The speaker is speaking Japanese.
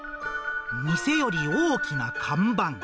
店より大きな看板。